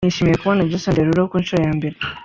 “ Nishimiye kubona Jason Derulo ku nshuro ya mbere